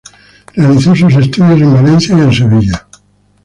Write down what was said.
Realizó sus estudios en Valencia y en Sevilla.